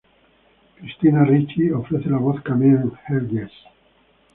Christina Ricci ofrece la voz cameo en "Hell Yes".